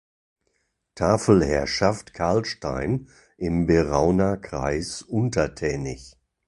Tafel-Herrschaft Karlstein im Berauner Kreis untertänig.